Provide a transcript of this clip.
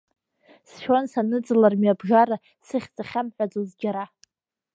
Сшәон саныӡлар мҩабжара, сыхьӡ ахьамҳәаӡоз џьара.